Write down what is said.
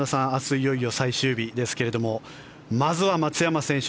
いよいよ最終日ですがまずは松山選手